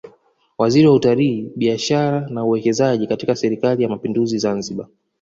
Waziri wa Utalii Biashara na Uwekezaji katika Serikali ya Mapinduzi Zanzibar